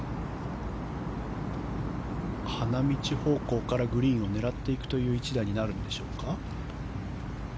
花道方向からグリーンを狙っていくという一打になるんでしょうか。